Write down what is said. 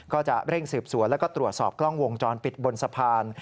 ก็จะเร่งสืบสวนแล้วก็ตรวจสอบกล้องวงจรปิดบนสะพาน